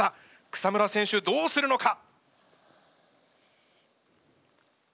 草村選手どうするのか？